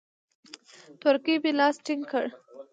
تورکي مې لاس ټينگ کړ.